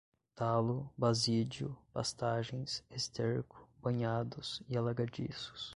talo, basídio, pastagens, esterco, banhados e alagadiços